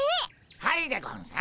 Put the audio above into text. はいでゴンス。